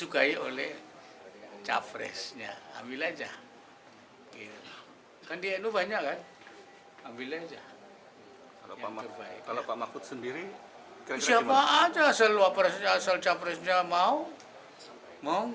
kalau pak mahfud sendiri siapa aja asal capresnya mau mau